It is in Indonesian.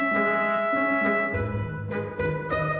gak ada de